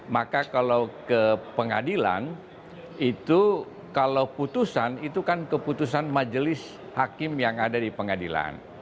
maka kalau ke pengadilan itu kalau putusan itu kan keputusan majelis hakim yang ada di pengadilan